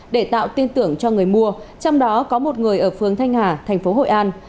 để tạo tin tưởng cho người mua trong đó có một người ở phương thanh hà thành phố hội an